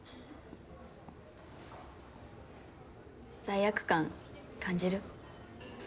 罪悪感感じる？